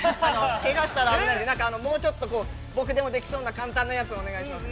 けがしたら危ないんで、もうちょっと僕でもできそうな簡単なやつをお願いします。